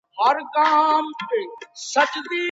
په قلم خط لیکل د فکري رکود مخه نیسي.